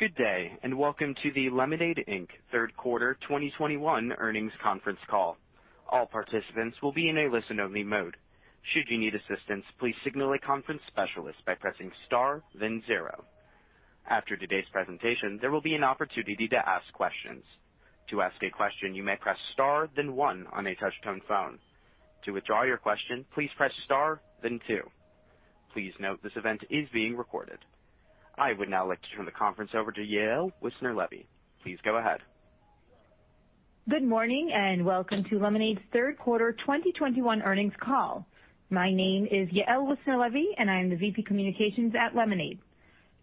Good day, and welcome to the Lemonade, Inc Third Quarter 2021 Earnings Conference Call. All participants will be in a listen-only mode. Should you need assistance, please signal a conference specialist by pressing star then zero. After today's presentation, there will be an opportunity to ask questions. To ask a question, you may press star then one on a touch-tone phone. To withdraw your question, please press star then two. Please note this event is being recorded. I would now like to turn the conference over to Yael Wissner-Levy. Please go ahead. Good morning, and welcome to Lemonade's Q3 2021 Earnings Call. My name is Yael Wissner-Levy, and I am the VP Communications at Lemonade.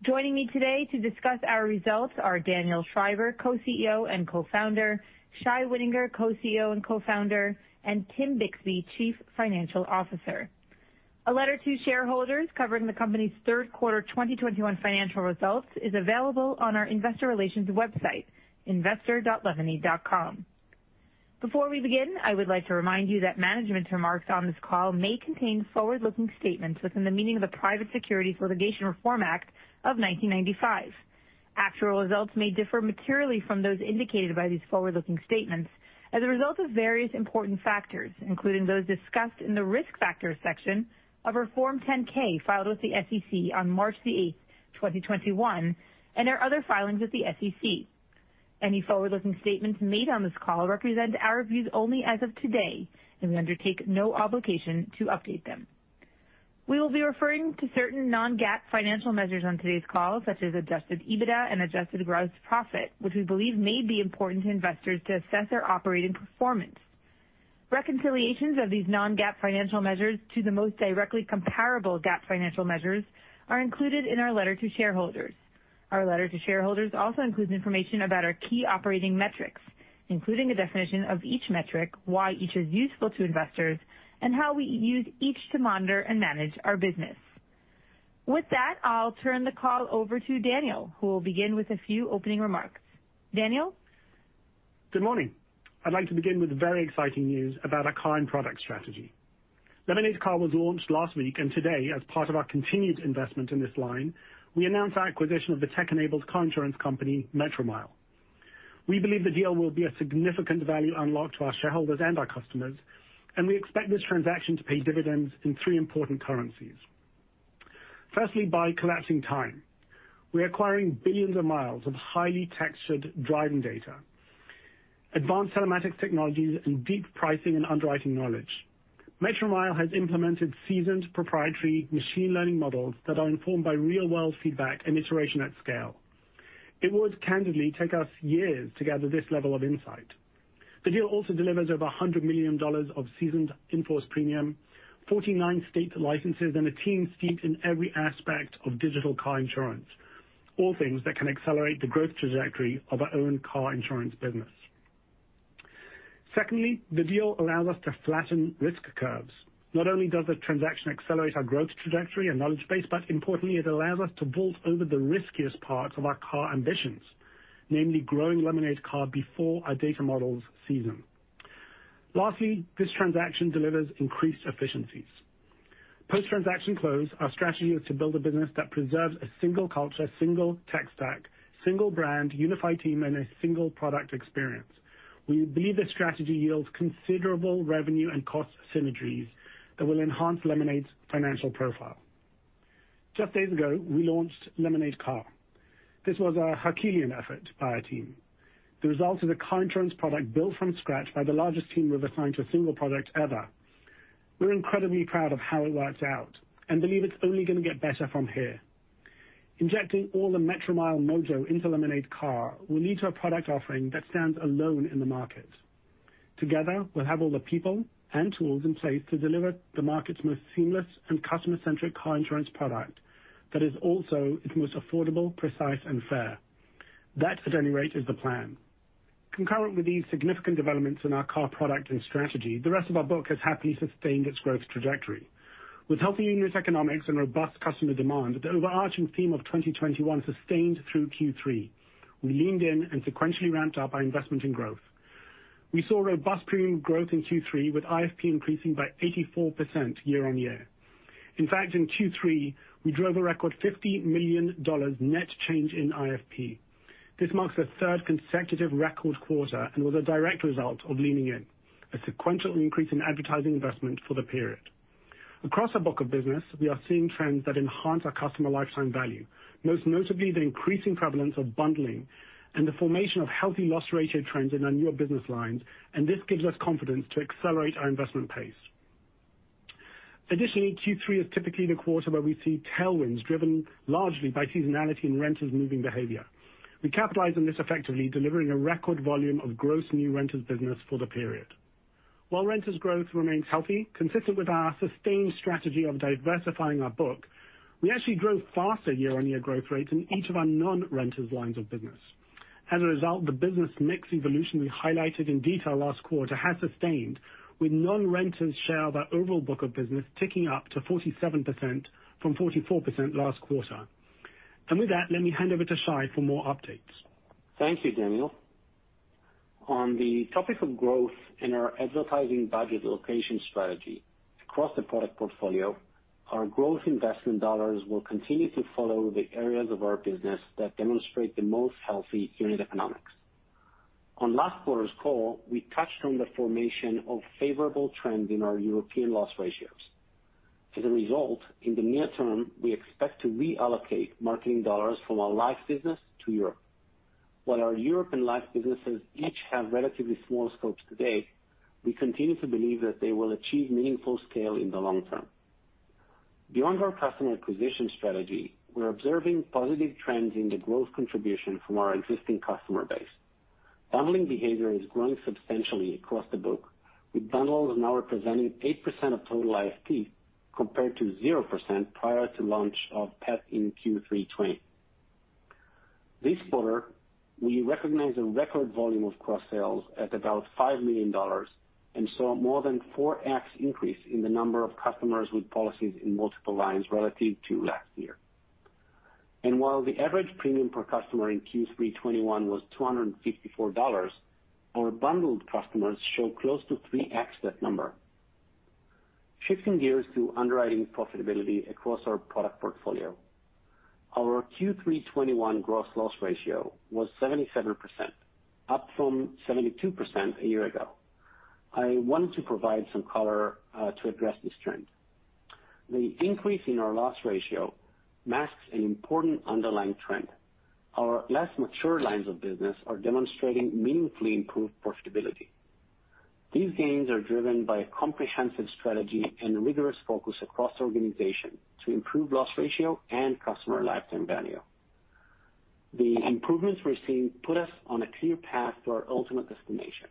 Joining me today to discuss our results are Daniel Schreiber, Co-CEO and Co-Founder, Shai Wininger, Co-CEO and Co-Founder, and Tim Bixby, Chief Financial Officer. A letter to shareholders covering the company's Q3 2021 financial results is available on our investor relations website, investor.lemonade.com. Before we begin, I would like to remind you that management remarks on this call may contain forward-looking statements within the meaning of the Private Securities Litigation Reform Act of 1995. Actual results may differ materially from those indicated by these forward-looking statements as a result of various important factors, including those discussed in the Risk Factors section of our Form 10-K filed with the SEC on March 8th, 2021, and our other filings with the SEC. Any forward-looking statements made on this call represent our views only as of today, and we undertake no obligation to update them. We will be referring to certain non-GAAP financial measures on today's call, such as adjusted EBITDA and adjusted gross profit, which we believe may be important to investors to assess our operating performance. Reconciliations of these non-GAAP financial measures to the most directly comparable GAAP financial measures are included in our letter to shareholders. Our letter to shareholders also includes information about our key operating metrics, including a definition of each metric, why each is useful to investors, and how we use each to monitor and manage our business. With that, I'll turn the call over to Daniel, who will begin with a few opening remarks. Daniel? Good morning. I'd like to begin with very exciting news about our current product strategy. Lemonade Car was launched last week, and today, as part of our continued investment in this line, we announced our acquisition of the tech-enabled car insurance company Metromile. We believe the deal will be a significant value unlock to our shareholders and our customers, and we expect this transaction to pay dividends in three important currencies. Firstly, by collapsing time. We're acquiring billions of miles of highly textured driving data, advanced telematics technologies, and deep pricing and underwriting knowledge. Metromile has implemented seasoned proprietary machine learning models that are informed by real-world feedback and iteration at scale. It would candidly take us years to gather this level of insight. The deal also delivers over $100 million of seasoned in-force premium, 49 state licenses, and a team steeped in every aspect of digital car insurance, all things that can accelerate the growth trajectory of our own car insurance business. Secondly, the deal allows us to flatten risk curves. Not only does the transaction accelerate our growth trajectory and knowledge base, but importantly, it allows us to vault over the riskiest parts of our car ambitions, namely growing Lemonade Car before our data models season. Lastly, this transaction delivers increased efficiencies. Post-transaction close, our strategy is to build a business that preserves a single culture, single tech stack, single brand, unified team, and a single product experience. We believe this strategy yields considerable revenue and cost synergies that will enhance Lemonade's financial profile. Just days ago, we launched Lemonade Car. This was a herculean effort by our team. The result is a car insurance product built from scratch by the largest team we've assigned to a single product ever. We're incredibly proud of how it worked out and believe it's only gonna get better from here. Injecting all the Metromile mojo into Lemonade Car will lead to a product offering that stands alone in the market. Together, we'll have all the people and tools in place to deliver the market's most seamless and customer-centric car insurance product that is also its most affordable, precise, and fair. That, at any rate, is the plan. Concurrent with these significant developments in our car product and strategy, the rest of our book has happily sustained its growth trajectory. With healthy unit economics and robust customer demand, the overarching theme of 2021 sustained through Q3. We leaned in and sequentially ramped up our investment in growth. We saw robust premium growth in Q3 with IFP increasing by 84% year-on-year. In fact, in Q3, we drove a record $50 million net change in IFP. This marks the third consecutive record quarter and was a direct result of leaning in, a sequential increase in advertising investment for the period. Across our book of business, we are seeing trends that enhance our customer lifetime value, most notably the increasing prevalence of bundling and the formation of healthy loss ratio trends in our newer business lines, and this gives us confidence to accelerate our investment pace. Additionally, Q3 is typically the quarter where we see tailwinds driven largely by seasonality in renters' moving behavior. We capitalize on this effectively, delivering a record volume of gross new renters business for the period. While renters growth remains healthy, consistent with our sustained strategy of diversifying our book, we actually drove faster year-on-year growth rates in each of our non-renters lines of business. As a result, the business mix evolution we highlighted in detail last quarter has sustained, with non-renters' share of our overall book of business ticking up to 47% from 44% last quarter. With that, let me hand over to Shai for more updates. Thank you, Daniel. On the topic of growth in our advertising budget allocation strategy across the product portfolio, our growth investment dollars will continue to follow the areas of our business that demonstrate the most healthy unit economics. On last quarter's call, we touched on the formation of favorable trends in our European loss ratios. As a result, in the near term, we expect to reallocate marketing dollars from our life business to Europe. While our Europe and life businesses each have relatively small scopes today, we continue to believe that they will achieve meaningful scale in the long term. Beyond our customer acquisition strategy, we're observing positive trends in the growth contribution from our existing customer base. Bundling behavior is growing substantially across the book, with bundles now representing 8% of total IFP compared to 0% prior to launch of Pet in Q3 2020. This quarter, we recognized a record volume of cross-sales at about $5 million and saw more than 4x increase in the number of customers with policies in multiple lines relative to last year. While the average premium per customer in Q3 2021 was $254, our bundled customers show close to 3x that number. Shifting gears to underwriting profitability across our product portfolio. Our Q3 2021 gross loss ratio was 77%, up from 72% a year ago. I want to provide some color to address this trend. The increase in our loss ratio masks an important underlying trend. Our less mature lines of business are demonstrating meaningfully improved profitability. These gains are driven by a comprehensive strategy and rigorous focus across the organization to improve loss ratio and customer lifetime value. The improvements we're seeing put us on a clear path to our ultimate destination.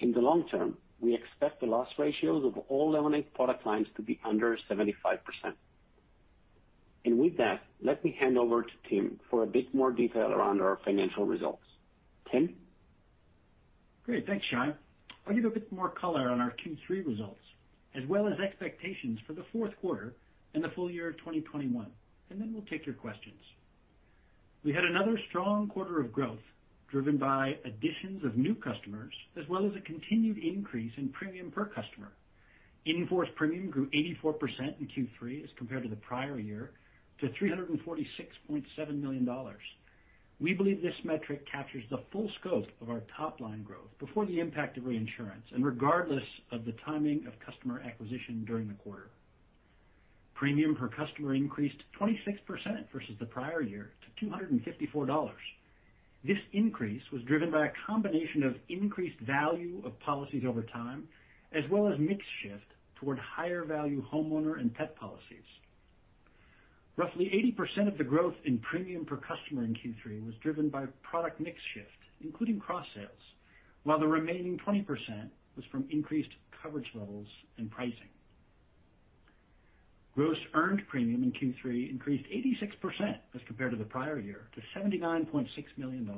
In the long term, we expect the loss ratios of all Lemonade product lines to be under 75%. With that, let me hand over to Tim for a bit more detail around our financial results. Tim? Great. Thanks, Shai. I'll give a bit more color on our Q3 results, as well as expectations for the fourth quarter and the full year of 2021, and then we'll take your questions. We had another strong quarter of growth driven by additions of new customers, as well as a continued increase in premium per customer. In-force premium grew 84% in Q3 as compared to the prior year to $346.7 million. We believe this metric captures the full scope of our top-line growth before the impact of reinsurance, and regardless of the timing of customer acquisition during the quarter. Premium per customer increased 26% versus the prior year to $254. This increase was driven by a combination of increased value of policies over time, as well as mix shift toward higher value homeowners and pet policies. Roughly 80% of the growth in premium per customer in Q3 was driven by product mix shift, including cross-sales, while the remaining 20% was from increased coverage levels and pricing. Gross earned premium in Q3 increased 86% as compared to the prior year to $79.6 million,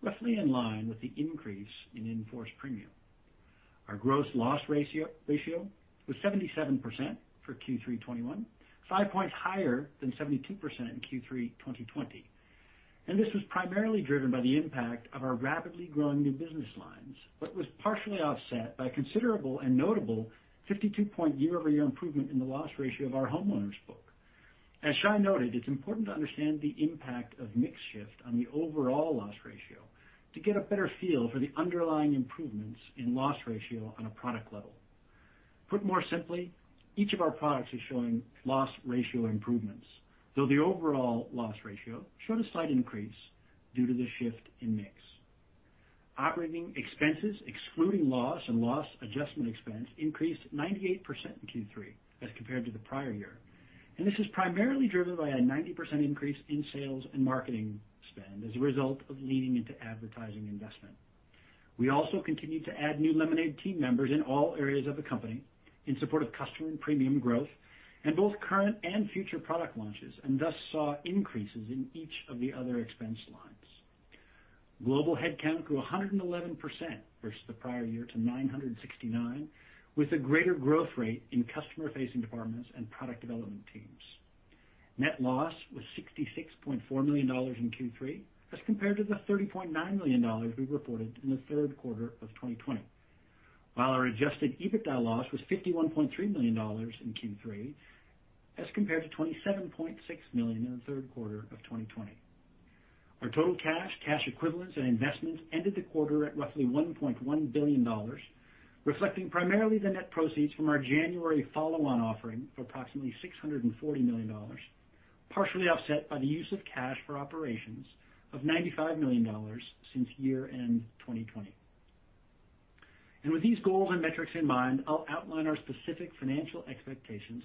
roughly in line with the increase in in-force premium. Our gross loss ratio was 77% for Q3 2021, five points higher than 72% in Q3 2020. This was primarily driven by the impact of our rapidly growing new business lines, but was partially offset by a considerable and notable 52-point year-over-year improvement in the loss ratio of our homeowners book. As Shai noted, it's important to understand the impact of mix shift on the overall loss ratio to get a better feel for the underlying improvements in loss ratio on a product level. Put more simply, each of our products is showing loss ratio improvements, though the overall loss ratio showed a slight increase due to the shift in mix. Operating expenses, excluding loss and loss adjustment expense, increased 98% in Q3 as compared to the prior year. This is primarily driven by a 90% increase in sales and marketing spend as a result of leaning into advertising investment. We also continued to add new Lemonade team members in all areas of the company in support of customer and premium growth in both current and future product launches, and thus saw increases in each of the other expense lines. Global headcount grew 111% versus the prior year to 969, with a greater growth rate in customer-facing departments and product development teams. Net loss was $66.4 million in Q3, as compared to the $30.9 million we reported in the third quarter of 2020. While our adjusted EBITDA loss was $51.3 million in Q3, as compared to $27.6 million in the third quarter of 2020. Our total cash equivalents and investments ended the quarter at roughly $1.1 billion, reflecting primarily the net proceeds from our January follow-on offering of approximately $640 million, partially offset by the use of cash for operations of $95 million since year-end 2020. With these goals and metrics in mind, I'll outline our specific financial expectations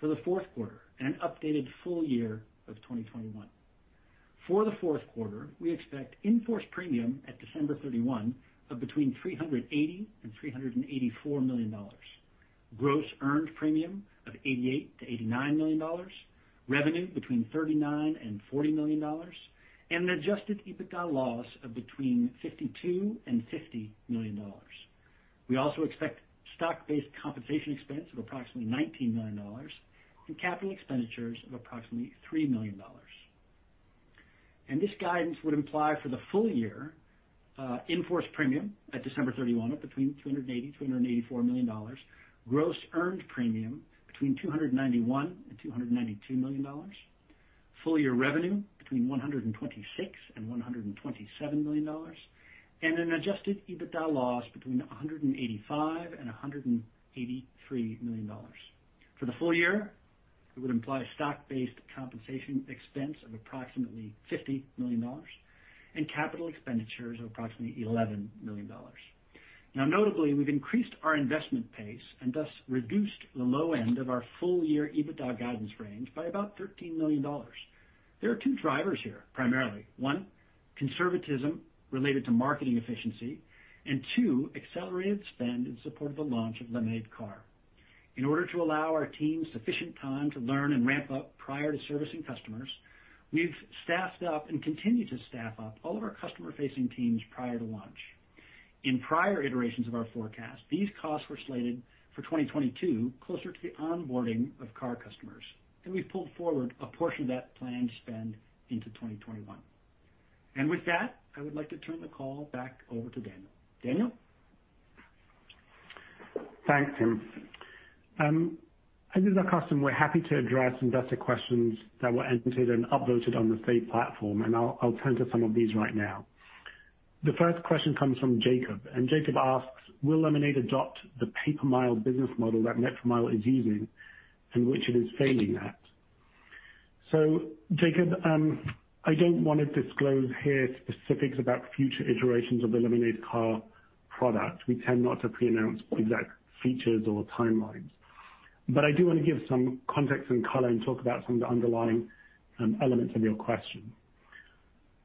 for the fourth quarter and an updated full year of 2021. For the fourth quarter, we expect in-force premium at December 31 of between $380 million and $384 million. Gross earned premium of $88 million-$89 million, revenue between $39 million and $40 million, and an adjusted EBITDA loss of between $52 million and $50 million. We also expect stock-based compensation expense of approximately $19 million and capital expenditures of approximately $3 million. This guidance would imply for the full year, in-force premium at December 31 of between $380 million and $384 million. Gross earned premium between $291 million and $292 million. Full year revenue between $126 million and $127 million. An adjusted EBITDA loss between $185 million and $183 million. For the full year, it would imply stock-based compensation expense of approximately $50 million and capital expenditures of approximately $11 million. Now notably, we've increased our investment pace and thus reduced the low end of our full year EBITDA guidance range by about $13 million. There are two drivers here, primarily. One, conservatism related to marketing efficiency. Two, accelerated spend in support of the launch of Lemonade Car. In order to allow our team sufficient time to learn and ramp up prior to servicing customers, we've staffed up and continue to staff up all of our customer-facing teams prior to launch. In prior iterations of our forecast, these costs were slated for 2022 closer to the onboarding of car customers, and we pulled forward a portion of that planned spend into 2021. With that, I would like to turn the call back over to Daniel. Daniel? Thanks, Tim. As is our custom, we're happy to address some investor questions that were entered and upvoted on the Say platform, and I'll turn to some of these right now. The first question comes from Jacob, and Jacob asks, "Will Lemonade adopt the pay-per-mile business model that Metromile is using, and which it is failing at?" Jacob, I don't wanna disclose here specifics about future iterations of the Lemonade Car product. We tend not to pre-announce exact features or timelines. But I do wanna give some context and color and talk about some of the underlying elements of your question.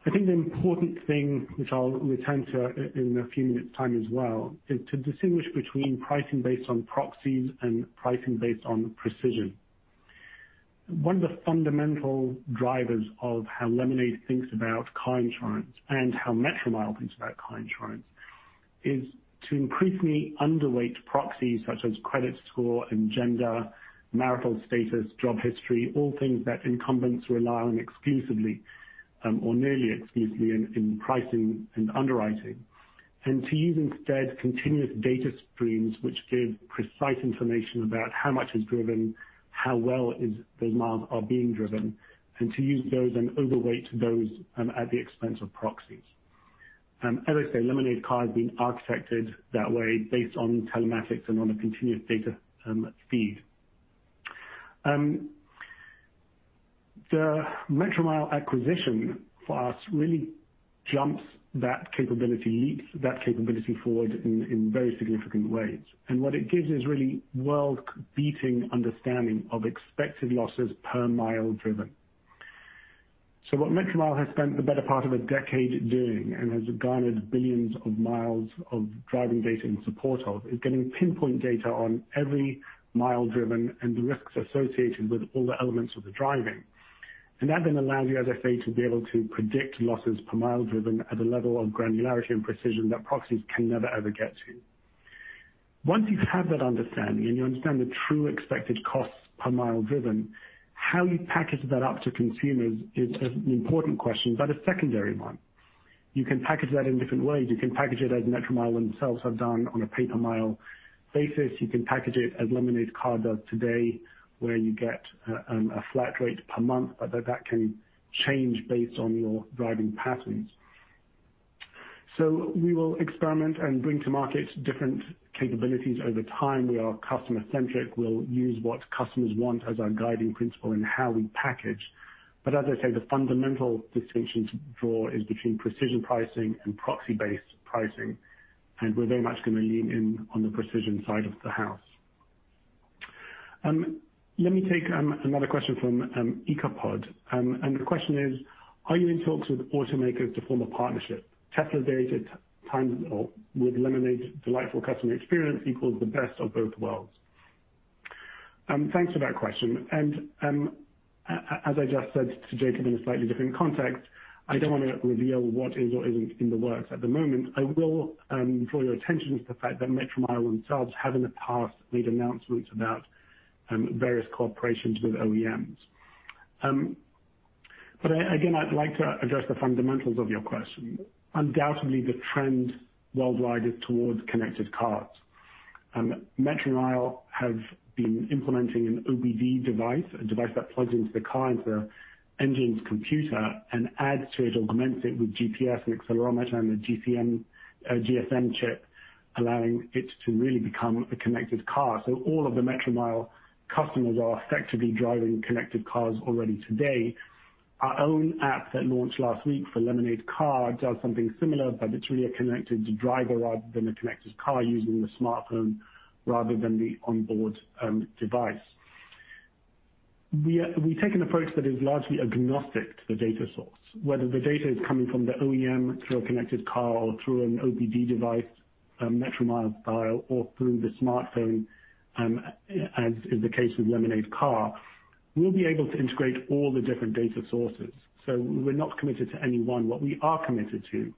I think the important thing, which I'll return to in a few minutes time as well, is to distinguish between pricing based on proxies and pricing based on precision. One of the fundamental drivers of how Lemonade thinks about car insurance and how Metromile thinks about car insurance is to increasingly underweight proxies such as credit score and gender, marital status, job history, all things that incumbents rely on exclusively, or nearly exclusively in pricing and underwriting. To use instead continuous data streams which give precise information about how much is driven, how well those miles are being driven, and to use those and overweight those at the expense of proxies. As I say, Lemonade Car has been architected that way based on telematics and on a continuous data feed. The Metromile acquisition for us really leaps that capability forward in very significant ways. What it gives us really world-beating understanding of expected losses per mile driven. What Metromile has spent the better part of a decade doing and has garnered billions of miles of driving data in support of, is getting pinpoint data on every mile driven and the risks associated with all the elements of the driving. That then allows you, as I say, to be able to predict losses per mile driven at a level of granularity and precision that proxies can never, ever get to. Once you have that understanding and you understand the true expected costs per mile driven, how you package that up to consumers is an important question, but a secondary one. You can package that in different ways. You can package it as Metromile themselves have done on a pay-per-mile basis. You can package it as Lemonade Car does today, where you get a flat rate per month, but that can change based on your driving patterns. We will experiment and bring to market different capabilities over time. We are customer-centric. We'll use what customers want as our guiding principle in how we package. As I say, the fundamental distinction to draw is between precision pricing and proxy-based pricing, and we're very much gonna lean in on the precision side of the house. Let me take another question from EcoPod. The question is, "Are you in talks with automakers to form a partnership? Tesla data + Lemonade delightful customer experience = the best of both worlds." Thanks for that question. As I just said to Jacob in a slightly different context, I don't wanna reveal what is or isn't in the works at the moment. I will draw your attention to the fact that Metromile themselves have in the past made announcements about various cooperations with OEMs. But again, I'd like to address the fundamentals of your question. Undoubtedly, the trend worldwide is towards connected cars. Metromile have been implementing an OBD device, a device that plugs into the car, into the engine's computer and adds to it, augments it with GPS and accelerometer and a GSM chip, allowing it to really become a connected car. All of the Metromile customers are effectively driving connected cars already today. Our own app that launched last week for Lemonade Car does something similar, but it's really a connected driver rather than a connected car using the smartphone rather than the onboard device. We take an approach that is largely agnostic to the data source. Whether the data is coming from the OEM through a connected car or through an OBD device, Metromile style or through the smartphone, as is the case with Lemonade Car, we'll be able to integrate all the different data sources. We're not committed to any one. What we are committed to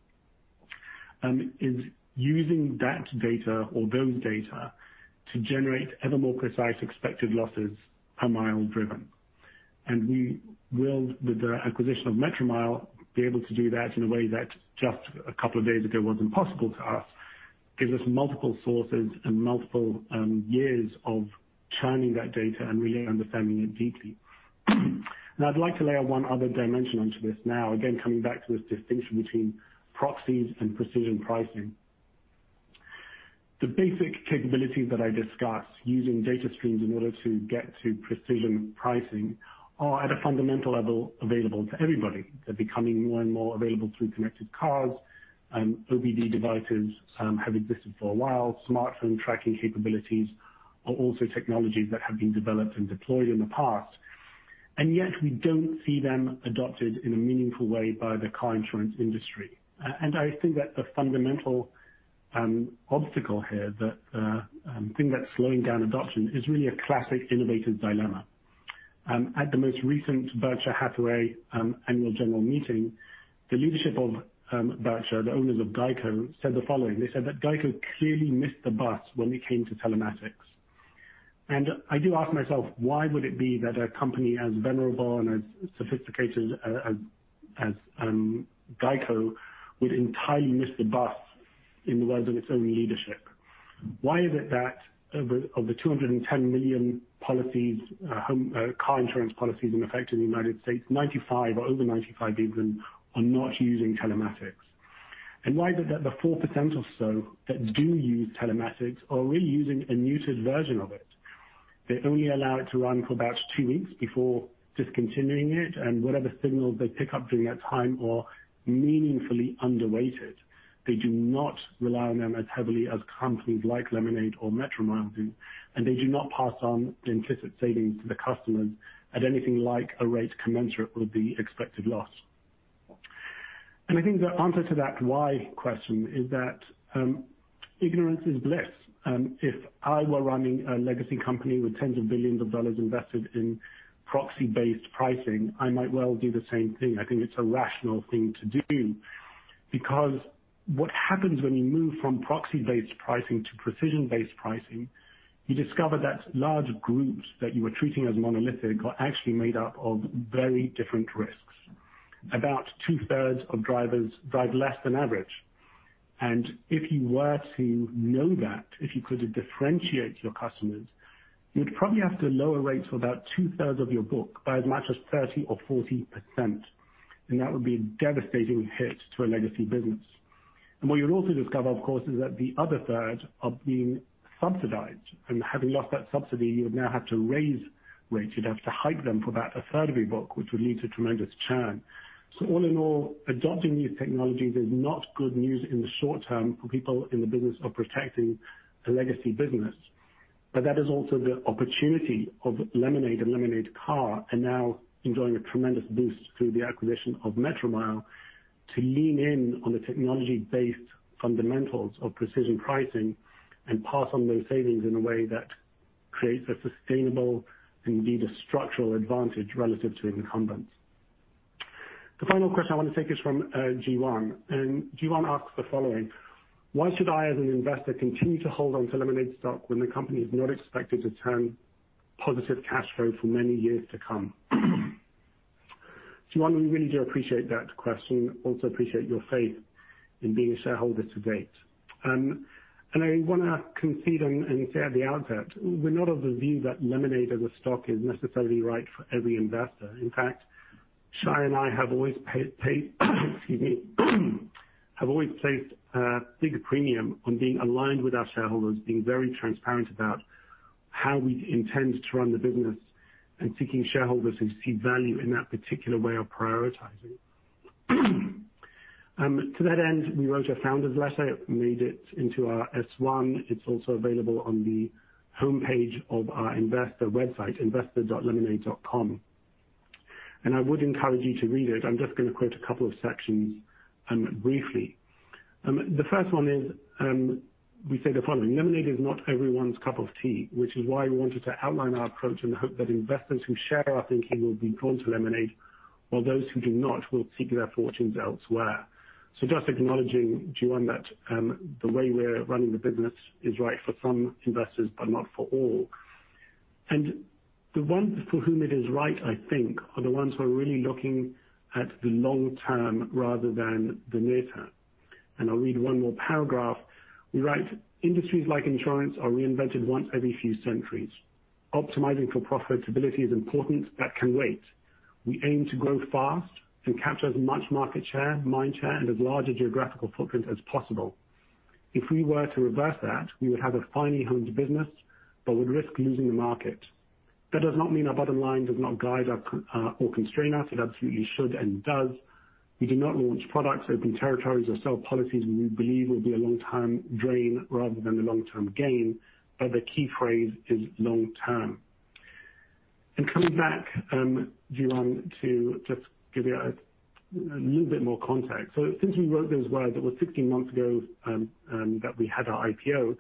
is using that data or those data to generate ever more precise expected losses per mile driven. We will, with the acquisition of Metromile, be able to do that in a way that just a couple of days ago wasn't possible to us, gives us multiple sources and multiple years of churning that data and really understanding it deeply. Now, I'd like to layer one other dimension onto this now, again, coming back to this distinction between proxies and precision pricing. The basic capabilities that I discussed using data streams in order to get to precision pricing are at a fundamental level available to everybody. They're becoming more and more available through connected cars. OBD devices have existed for a while. Smartphone tracking capabilities are also technologies that have been developed and deployed in the past. Yet we don't see them adopted in a meaningful way by the car insurance industry. I think that the fundamental obstacle here that thing that's slowing down adoption is really a classic innovative dilemma. At the most recent Berkshire Hathaway annual general meeting, the leadership of Berkshire, the owners of GEICO, said the following. They said that GEICO clearly missed the bus when it came to telematics. I do ask myself, why would it be that a company as venerable and as sophisticated as GEICO would entirely miss the bus in the words of its own leadership? Why is it that of the 210 million policies, home, car insurance policies in effect in the United States, 95 or over 95 even are not using telematics? Why is it that the 4% or so that do use telematics are really using a muted version of it? They only allow it to run for about two weeks before discontinuing it, and whatever signals they pick up during that time are meaningfully underweighted. They do not rely on them as heavily as companies like Lemonade or Metromile do, and they do not pass on the implicit savings to the customers at anything like a rate commensurate with the expected loss. I think the answer to that why question is that, ignorance is bliss. If I were running a legacy company with tens of billions of dollars invested in proxy-based pricing, I might well do the same thing. I think it's a rational thing to do because what happens when you move from proxy-based pricing to precision-based pricing, you discover that large groups that you were treating as monolithic are actually made up of very different risks. About two-thirds of drivers drive less than average. If you were to know that, if you could differentiate your customers, you'd probably have to lower rates for about two-thirds of your book by as much as 30% or 40%, and that would be a devastating hit to a legacy business. What you'll also discover, of course, is that the other third are being subsidized. Having lost that subsidy, you would now have to raise rates. You'd have to hike them for about a third of your book, which would lead to tremendous churn. All in all, adopting these technologies is not good news in the short term for people in the business of protecting a legacy business. that is also the opportunity of Lemonade and Lemonade Car, and now enjoying a tremendous boost through the acquisition of Metromile to lean in on the technology-based fundamentals of precision pricing and pass on those savings in a way that creates a sustainable and indeed a structural advantage relative to incumbents. The final question I want to take is from Jiwan. Jiwan asks the following. Why should I as an investor continue to hold on to Lemonade stock when the company is not expected to turn positive cash flow for many years to come? Jiwan, we really do appreciate that question. Also appreciate your faith in being a shareholder to date. I wanna concede and say at the outset, we're not of the view that Lemonade as a stock is necessarily right for every investor. In fact, Shai and I have always pa-pa. Excuse me. We have always placed a big premium on being aligned with our shareholders, being very transparent about how we intend to run the business and seeking shareholders who see value in that particular way of prioritizing. To that end, we wrote a founder's letter, made it into our S-1. It's also available on the homepage of our investor website, investor.lemonade.com. I would encourage you to read it. I'm just gonna quote a couple of sections, briefly. The first one is, we say the following: Lemonade is not everyone's cup of tea, which is why we wanted to outline our approach in the hope that investors who share our thinking will be drawn to Lemonade while those who do not will seek their fortunes elsewhere. Just acknowledging, Jiwan, that the way we're running the business is right for some investors, but not for all. The ones for whom it is right, I think, are the ones who are really looking at the long term rather than the near term. I'll read one more paragraph. We write, industries like insurance are reinvented once every few centuries. Optimizing for profitability is important. That can wait. We aim to grow fast and capture as much market share, mind share, and as large a geographical footprint as possible. If we were to reverse that, we would have a finely honed business but would risk losing the market. That does not mean our bottom line does not guide us or constrain us. It absolutely should and does. We do not launch products, open territories or sell policies we believe will be a long-term drain rather than a long-term gain, but the key phrase is long term. Coming back, Jiwan, to just give you a little bit more context. Since we wrote those words, it was 16 months ago that we had our IPO.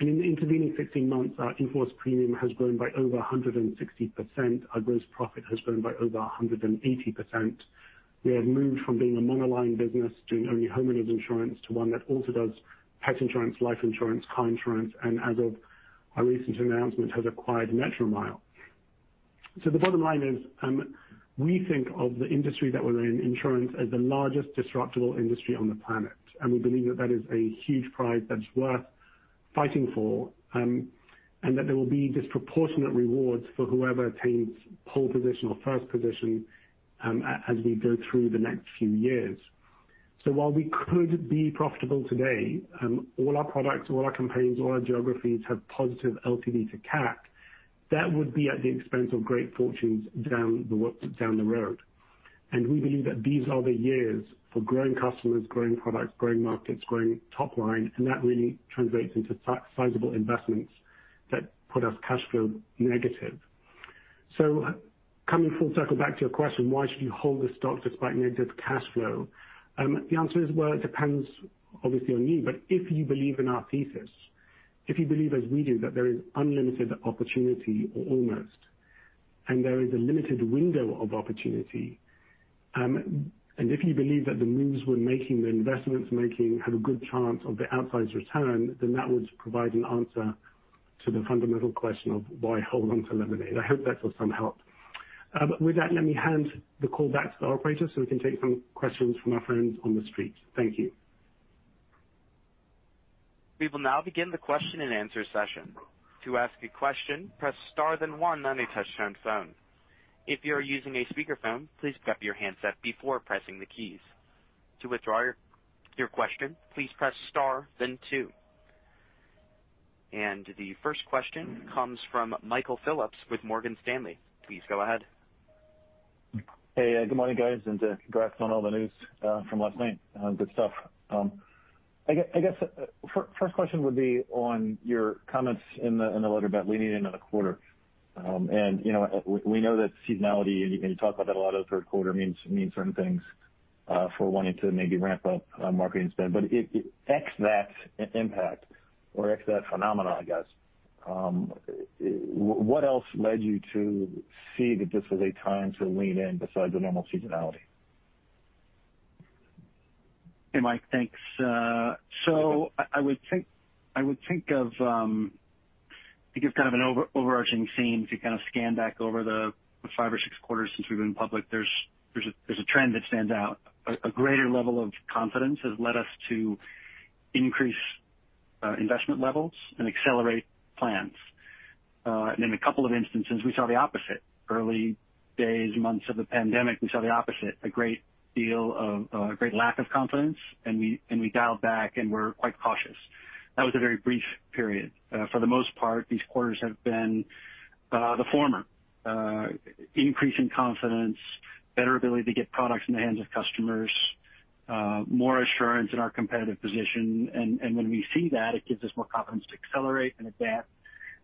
In the intervening 16 months, our in-force premium has grown by over 160%. Our gross profit has grown by over 180%. We have moved from being a monoline business doing only homeowners insurance to one that also does pet insurance, life insurance, car insurance, and as of our recent announcement, has acquired Metromile. The bottom line is, we think of the industry that we're in, insurance, as the largest disruptable industry on the planet. We believe that is a huge prize that's worth fighting for, and that there will be disproportionate rewards for whoever attains pole position or first position, as we go through the next few years. While we could be profitable today, all our products, all our campaigns, all our geographies have positive LTV to CAC, that would be at the expense of great fortunes down the road. We believe that these are the years for growing customers, growing products, growing markets, growing top line, and that really translates into sizable investments that put us cash flow negative. Coming full circle back to your question, why should you hold the stock despite negative cash flow? The answer is, well, it depends, obviously, on you. If you believe in our thesis, if you believe as we do that there is unlimited opportunity or almost, and there is a limited window of opportunity, and if you believe that the moves we're making, the investments we're making have a good chance of the outsized return, then that would provide an answer to the fundamental question of why hold on to Lemonade. I hope that was some help. With that, let me hand the call back to the operator so we can take some questions from our friends on the street. Thank you. We will now begin the question-and-answer session. To ask a question, press star then one on a touch-tone phone. If you are using a speakerphone, please prep your handset before pressing the keys. To withdraw your question, please press star then two. The first question comes from Michael Phillips with Morgan Stanley. Please go ahead. Hey, good morning, guys, and congrats on all the news from last night. Good stuff. I guess first question would be on your comments in the letter about leaning into the quarter. You know we know that seasonality and you talk about that a lot as third quarter means certain things for wanting to maybe ramp up marketing spend. Except that impact or except that phenomenon, I guess, what else led you to see that this was a time to lean in besides the normal seasonality? Hey, Mike. Thanks. I think it's kind of an overarching theme to kind of scan back over the five or six quarters since we've been public. There's a trend that stands out. A greater level of confidence has led us to increase investment levels and accelerate plans. In a couple of instances, we saw the opposite. Early days, months of the pandemic, we saw the opposite, a great deal of a great lack of confidence, and we dialed back and were quite cautious. That was a very brief period. For the most part, these quarters have been the former. Increase in confidence, better ability to get products in the hands of customers, more assurance in our competitive position. When we see that, it gives us more confidence to accelerate and adapt.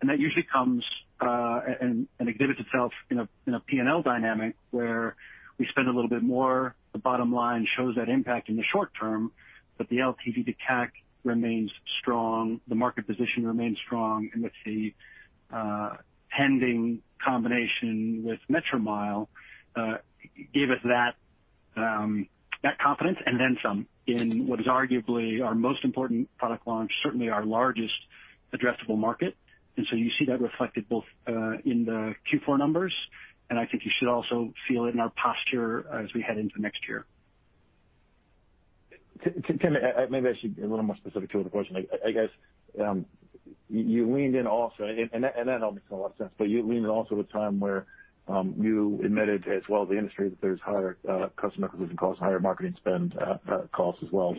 That usually comes and exhibits itself in a P&L dynamic where we spend a little bit more. The bottom line shows that impact in the short term, but the LTV to CAC remains strong, the market position remains strong, and with the pending combination with Metromile, gave us that confidence and then some in what is arguably our most important product launch, certainly our largest addressable market. You see that reflected both in the Q4 numbers, and I think you should also feel it in our posture as we head into next year. Tim, maybe I should be a little more specific to another question. Like, I guess, you leaned in also, and that all makes a lot of sense, but you leaned in also at a time where you admitted as well as the industry that there's higher customer acquisition costs, higher marketing spend, costs as well.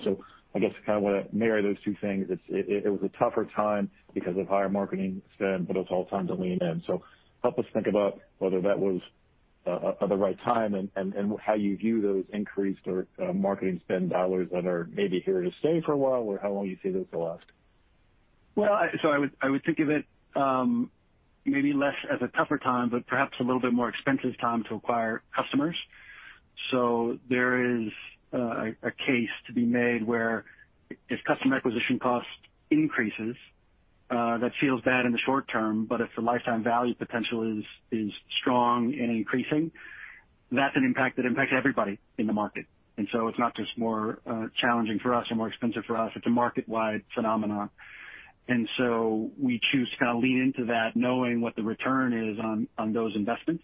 I guess I kind of wanna marry those two things. It was a tougher time because of higher marketing spend, but it's also time to lean in. Help us think about whether that was the right time and how you view those increased or marketing spend dollars that are maybe here to stay for a while, or how long you see those will last. Well, I would think of it maybe less as a tougher time, but perhaps a little bit more expensive time to acquire customers. There is a case to be made where if customer acquisition cost increases, that feels bad in the short term, but if the lifetime value potential is strong and increasing, that's an impact that impacts everybody in the market. We choose to kind of lean into that knowing what the return is on those investments.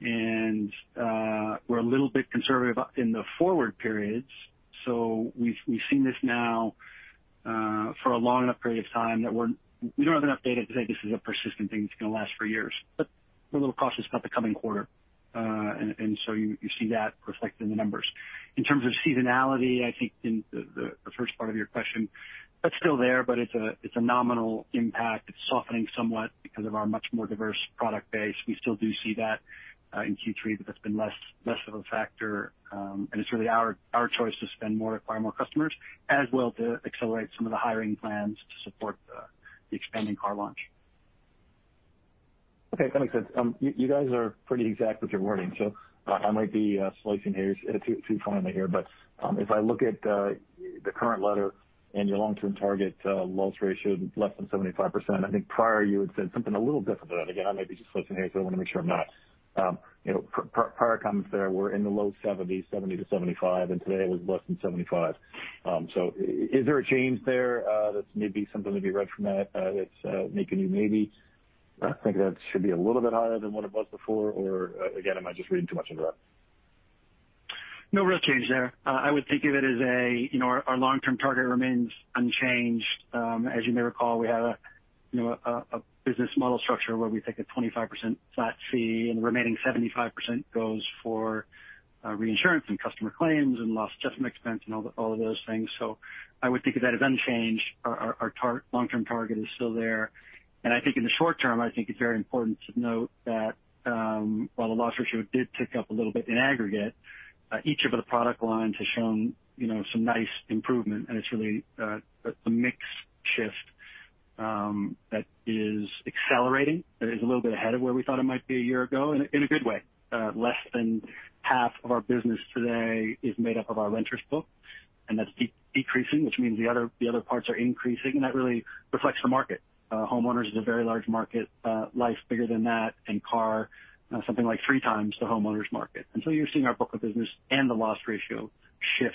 We're a little bit conservative in the forward periods. We've seen this now for a long enough period of time we don't have enough data to say this is a persistent thing that's gonna last for years. We're a little cautious about the coming quarter. You see that reflected in the numbers. In terms of seasonality, I think in the first part of your question, that's still there, but it's a nominal impact. It's softening somewhat because of our much more diverse product base. We still do see that in Q3, but that's been less of a factor. It's really our choice to spend more, acquire more customers, as well to accelerate some of the hiring plans to support the expanding car launch. Okay. That makes sense. You guys are pretty exact with your wording, so I might be splitting hairs too finely here. If I look at the current letter and your long-term target, loss ratio is less than 75%. I think prior you had said something a little different than that. Again, I may be just splitting here, so I wanna make sure I'm not. You know, prior comments there were in the low 70s, 70%-75%, and today it was less than 75%. Is there a change there that's maybe something to be read from that that's making you maybe think that should be a little bit higher than what it was before? Again, am I just reading too much into that? No real change there. I would think of it as, you know, our long-term target remains unchanged. As you may recall, we have, you know, a business model structure where we take a 25% flat fee, and the remaining 75% goes for reinsurance and customer claims and loss adjustment expense and all of those things. I would think of that as unchanged. Our long-term target is still there. I think in the short term, I think it's very important to note that while the loss ratio did tick up a little bit in aggregate, each of the product lines has shown, you know, some nice improvement. It's really a mix shift that is accelerating, that is a little bit ahead of where we thought it might be a year ago, in a good way. Less than half of our business today is made up of our renters book, and that's decreasing, which means the other parts are increasing. That really reflects the market. Homeowners is a very large market, life bigger than that, and car something like three times the homeowners market. You're seeing our book of business and the loss ratio shift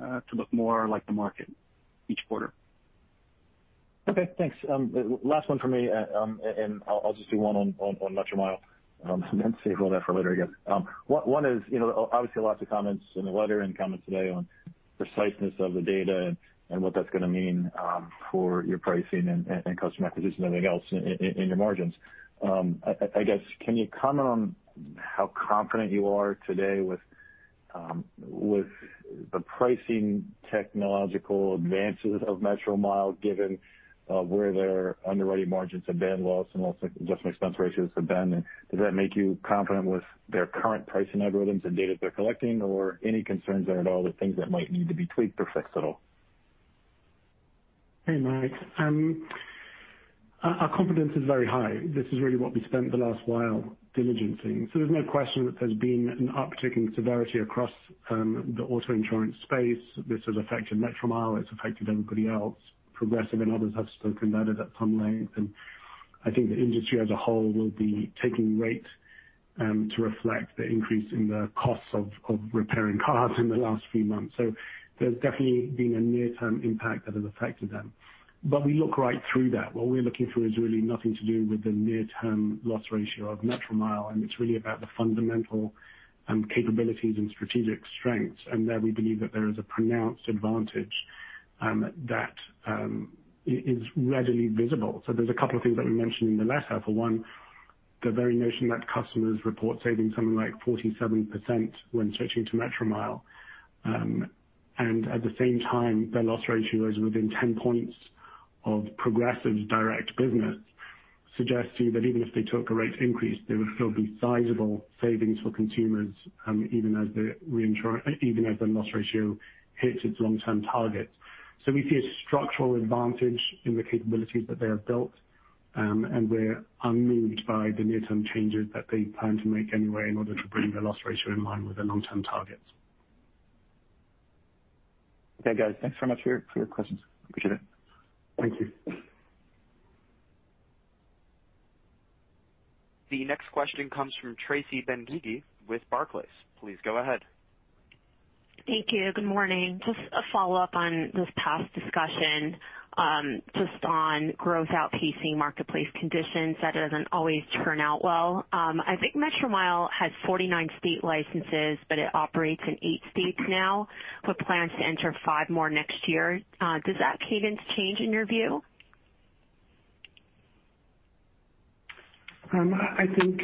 to look more like the market each quarter. Okay, thanks. Last one for me. I'll just do one on Metromile, and then save the other for later, I guess. One is, you know, obviously lots of comments in the letter and comments today on precision of the data and what that's gonna mean for your pricing and customer acquisition and everything else in your margins. I guess, can you comment on how confident you are today with the pricing technological advances of Metromile, given where their underwriting margins have been, loss and loss adjustment expense ratios have been? Does that make you confident with their current pricing algorithms and data they're collecting or any concerns there at all, the things that might need to be tweaked or fixed at all? Hey, Mike. Our confidence is very high. This is really what we spent the last while diligencing. There's no question that there's been an uptick in severity across the auto insurance space. This has affected Metromile, it's affected everybody else. Progressive and others have spoken about it at some length, and I think the industry as a whole will be taking rate to reflect the increase in the costs of repairing cars in the last few months. There's definitely been a near-term impact that has affected them. We look right through that. What we're looking for is really nothing to do with the near-term loss ratio of Metromile, and it's really about the fundamental capabilities and strategic strengths. There we believe that there is a pronounced advantage that is readily visible. There's a couple of things that we mentioned in the letter. For one, the very notion that customers report saving something like 47% when switching to Metromile. And at the same time, their loss ratio is within 10 points of Progressive's direct business, suggesting that even if they took a rate increase, there would still be sizable savings for consumers, even as the loss ratio hits its long-term target. We see a structural advantage in the capabilities that they have built, and we're unmoved by the near-term changes that they plan to make anyway in order to bring their loss ratio in line with their long-term targets. Okay, guys. Thanks so much for your questions. Appreciate it. Thank you. The next question comes from Tracy Benguigui with Barclays. Please go ahead. Thank you. Good morning. Just a follow-up on this past discussion, just on growth outpacing marketplace conditions, that doesn't always turn out well. I think Metromile has 49 state licenses, but it operates in eight states now, with plans to enter five more next year. Does that cadence change in your view? I think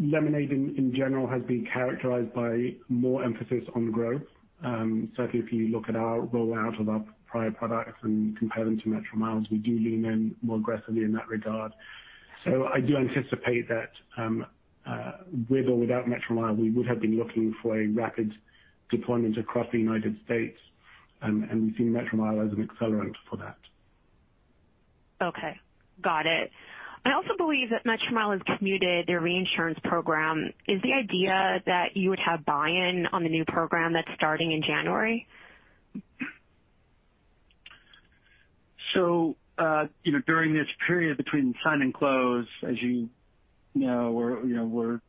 Lemonade in general has been characterized by more emphasis on growth. Certainly if you look at our rollout of our prior products and compare them to Metromile's, we do lean in more aggressively in that regard. I do anticipate that with or without Metromile, we would have been looking for a rapid deployment across the United States, and we see Metromile as an accelerant for that. Okay. Got it. I also believe that Metromile has commuted their reinsurance program. Is the idea that you would have buy-in on the new program that's starting in January? You know, during this period between sign and close, as you know, we're, you know,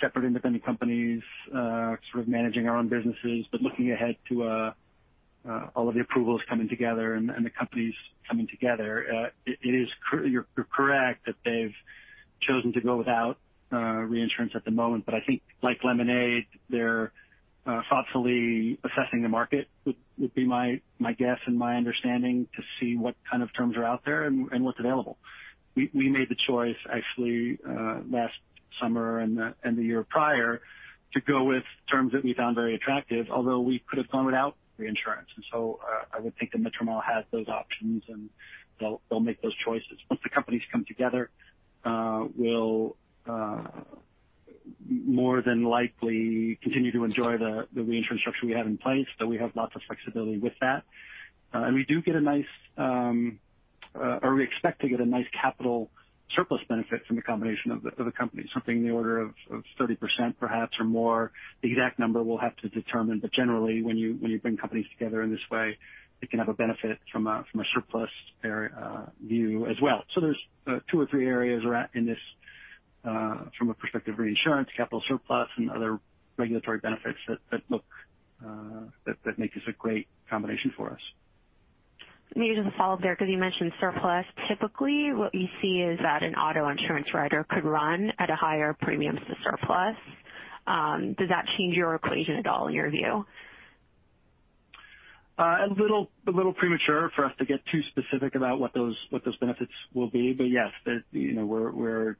separate independent companies, sort of managing our own businesses, but looking ahead to all of the approvals coming together and the companies coming together. You're correct that they've chosen to go without reinsurance at the moment. I think, like Lemonade, they're thoughtfully assessing the market, would be my guess and my understanding, to see what kind of terms are out there and what's available. We made the choice actually last summer and the year prior to go with terms that we found very attractive, although we could have gone without reinsurance. I would think that Metromile has those options and they'll make those choices. Once the companies come together, we'll more than likely continue to enjoy the reinsurance structure we have in place, so we have lots of flexibility with that. We expect to get a nice capital surplus benefit from the combination of the companies, something in the order of 30% perhaps or more. The exact number we'll have to determine, but generally when you bring companies together in this way, it can have a benefit from a surplus perspective as well. There's two or three areas we're looking at in this from a perspective reinsurance, capital surplus and other regulatory benefits that make this a great combination for us. Maybe just a follow-up there because you mentioned surplus. Typically, what you see is that an auto insurance writer could run at a higher premium to surplus. Does that change your equation at all in your view? A little premature for us to get too specific about what those benefits will be. Yes, you know, we're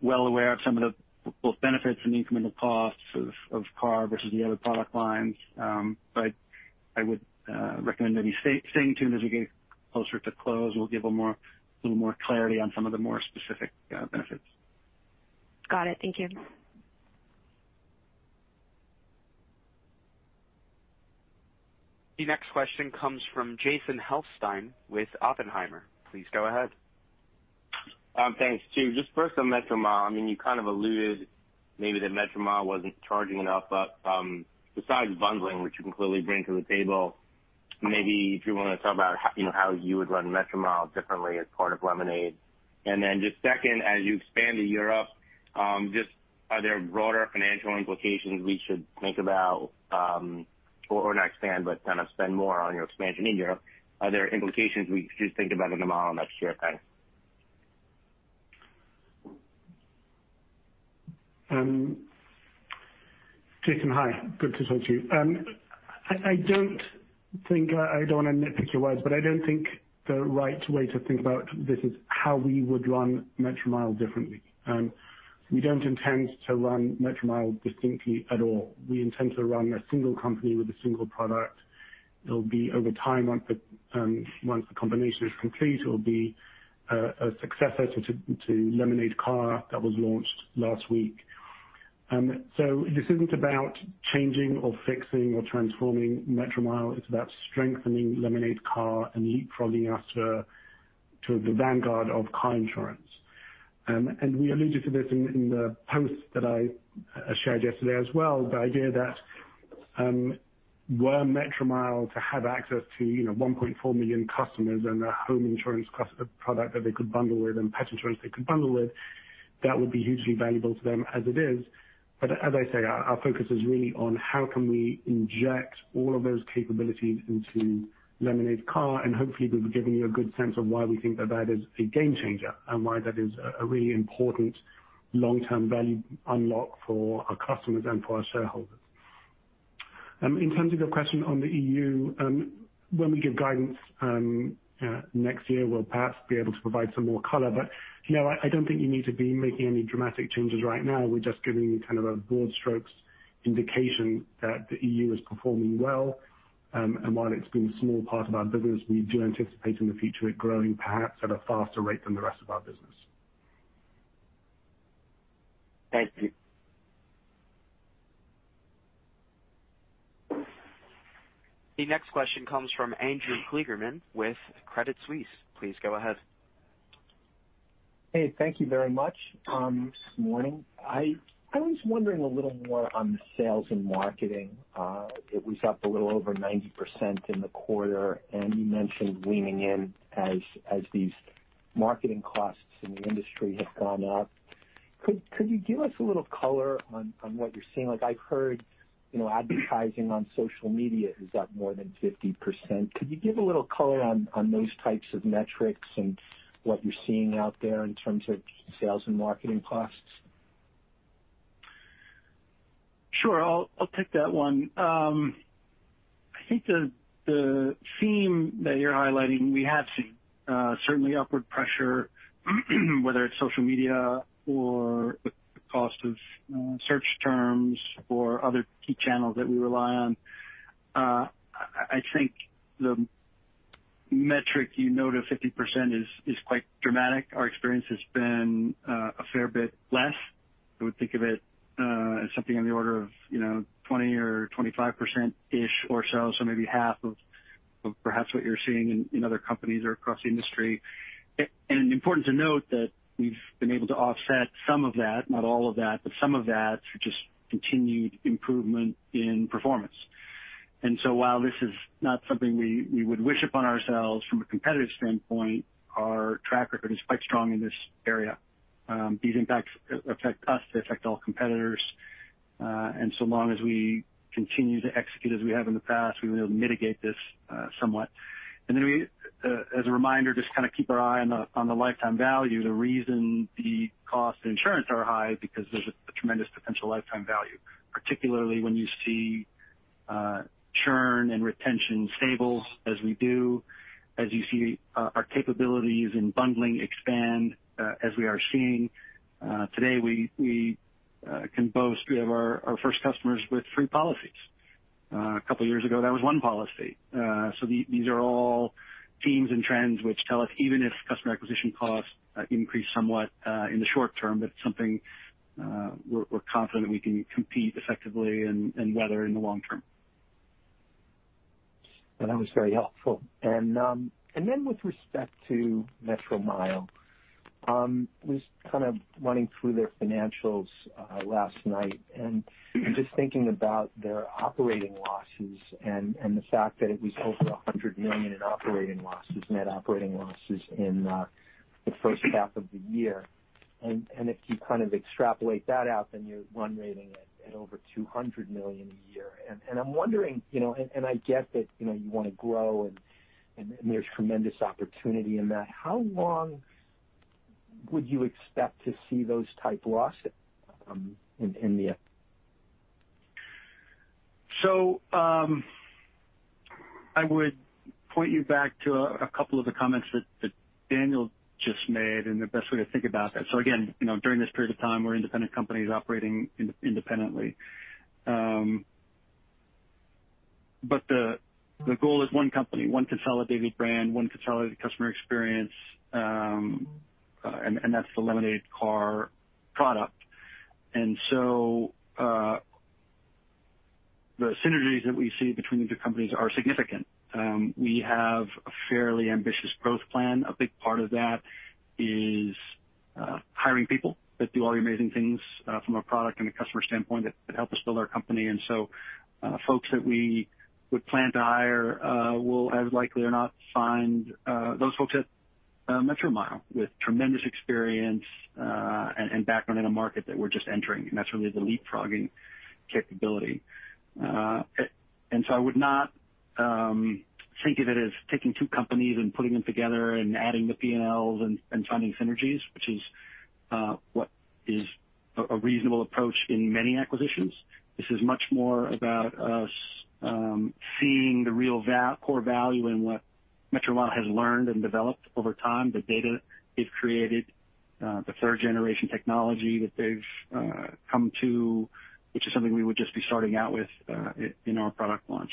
well aware of some of the both benefits and the incremental costs of Car versus the other product lines. I would recommend maybe staying tuned as we get closer to close. We'll give a little more clarity on some of the more specific benefits. Got it. Thank you. The next question comes from Jason Helfstein with Oppenheimer. Please go ahead. Thanks, two. Just first on Metromile, I mean, you kind of alluded maybe that Metromile wasn't charging enough, but, besides bundling, which you can clearly bring to the table, maybe if you wanna talk about how, you know, how you would run Metromile differently as part of Lemonade. Just second, as you expand to Europe, just are there broader financial implications we should think about, or not expand, but kind of spend more on your expansion in Europe? Are there implications we should think about in the model next year, Dan? Jason, hi. Good to talk to you. I don't think the right way to think about this is how we would run Metromile differently. We don't intend to run Metromile distinctly at all. We intend to run a single company with a single product. It'll be over time once the combination is complete, it'll be a successor to Lemonade Car that was launched last week. This isn't about changing or fixing or transforming Metromile, it's about strengthening Lemonade Car and leapfrogging us to the vanguard of car insurance. We alluded to this in the post that I shared yesterday as well, the idea that were Metromile to have access to, you know, 1.4 million customers and a home insurance product that they could bundle with and pet insurance they could bundle with, that would be hugely valuable to them as it is. As I say, our focus is really on how can we inject all of those capabilities into Lemonade Car, and hopefully we've given you a good sense of why we think that that is a game changer and why that is a really important long-term value unlock for our customers and for our shareholders. In terms of your question on the EU, when we give guidance next year, we'll perhaps be able to provide some more color. You know, I don't think you need to be making any dramatic changes right now. We're just giving you kind of a broad strokes indication that the EU is performing well. While it's been a small part of our business, we do anticipate in the future it growing perhaps at a faster rate than the rest of our business. Thank you. The next question comes from Andrew Kligerman with Credit Suisse. Please go ahead. Hey, thank you very much this morning. I was wondering a little more on the sales and marketing. It was up a little over 90% in the quarter, and you mentioned leaning in as these marketing costs in the industry have gone up. Could you give us a little color on what you're seeing? Like I've heard, you know, advertising on social media is up more than 50%. Could you give a little color on those types of metrics and what you're seeing out there in terms of sales and marketing costs? Sure. I'll take that one. I think the theme that you're highlighting we have seen certainly upward pressure, whether it's social media or the cost of search terms or other key channels that we rely on. I think the metric you note of 50% is quite dramatic. Our experience has been a fair bit less. I would think of it as something on the order of, you know, 20 or 25%-ish or so maybe half of perhaps what you're seeing in other companies or across the industry. Important to note that we've been able to offset some of that, not all of that, but some of that through just continued improvement in performance. While this is not something we would wish upon ourselves from a competitive standpoint, our track record is quite strong in this area. These impacts affect us, they affect all competitors. As long as we continue to execute as we have in the past, we'll be able to mitigate this somewhat. As a reminder, we just kind of keep our eye on the lifetime value. The reason the cost of insurance is high is because there's a tremendous potential lifetime value, particularly when you see churn and retention stable as we do, as you see our capabilities in bundling expand as we are seeing today, we can boast we have our first customers with three policies. A couple years ago, that was one policy. These are all themes and trends which tell us even if customer acquisition costs increase somewhat in the short term, but it's something we're confident we can compete effectively and weather in the long term. That was very helpful. Then with respect to Metromile, was kind of running through their financials last night and just thinking about their operating losses and the fact that it was over $100 million in operating losses, net operating losses in the first half of the year. If you kind of extrapolate that out, then you're run rate at over $200 million a year. I'm wondering, you know, I get that, you know, you wanna grow and there's tremendous opportunity in that. How long would you expect to see those type losses in the... I would point you back to a couple of the comments that Daniel just made, and the best way to think about that. Again, you know, during this period of time, we're independent companies operating independently. The goal is one company, one consolidated brand, one consolidated customer experience, and that's the Lemonade Car product. The synergies that we see between the two companies are significant. We have a fairly ambitious growth plan. A big part of that is hiring people that do all the amazing things from a product and a customer standpoint that help us build our company. Folks that we would plan to hire will as likely or not find those folks at Metromile with tremendous experience and background in a market that we're just entering, and that's really the leapfrogging capability. I would not think of it as taking two companies and putting them together and adding the P&Ls and finding synergies, which is what is a reasonable approach in many acquisitions. This is much more about us seeing the real core value in what Metromile has learned and developed over time, the data they've created, the third generation technology that they've come to, which is something we would just be starting out with in our product launch.